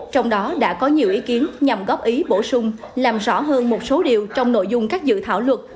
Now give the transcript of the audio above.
trong đó đã có nhiều ý kiến nhằm góp ý bổ sung làm rõ hơn một số điều trong nội dung các dự thảo luật